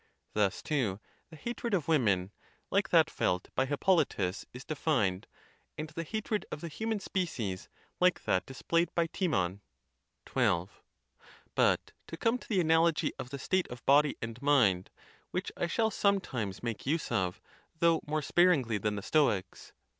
Thus, too, the hatred of women, like that felt by Hippolytus, is defined ; and the hatred of the human species like that displayed by Timon. XII. But to come to the analogy of the state of body and mind, which I shall sometimes make use of, though more sparingly than the Stoics.